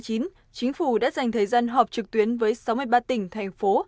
chính phủ đã dành thời gian họp trực tuyến với sáu mươi ba tỉnh thành phố